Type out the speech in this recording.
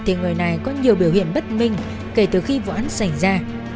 thì người này có nhiều biểu hiện bất minh kể từ khi vụ án xảy ra